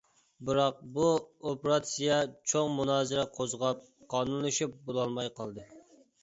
بىراق بۇ ئوپېراتسىيە چوڭ مۇنازىرە قوزغاپ قانۇنلىشىپ بولالماي قالدى.